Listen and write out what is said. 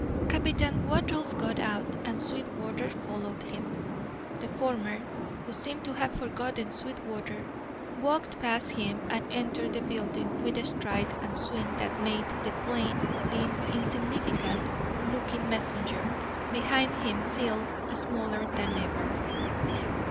Captain Wattles got out, and Sweetwater followed him. The former, who seemed to have forgotten Sweetwater, walked past him and entered the building with a stride and swing that made the plain, lean, insignificant looking messenger behind him feel smaller than ever.